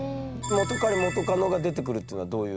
元カレ元カノが出てくるというのはどういう？